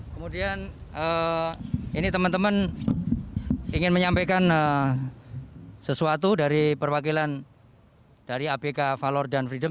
kemudian ini teman teman ingin menyampaikan sesuatu dari perwakilan dari abk valor dan freedom